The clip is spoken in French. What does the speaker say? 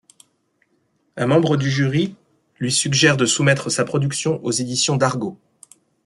Un membre du jury lui suggère de soumettre sa production aux éditions Dargaud.